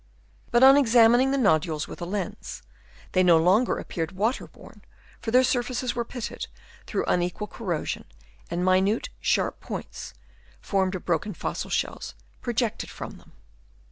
But on ex amining the nodules with a lens, they no longer appeared water worn, for their surfaces were pitted through unequal corrosion, and minute, sharp points, formed of broken fossil shells, projected from them.